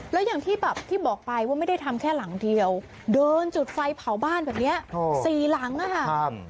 แล้วอย่างที่แบบที่บอกไปว่าไม่ได้ทำแค่หลังเดียวเดินจุดไฟเผาบ้านแบบนี้สี่หลังค่ะ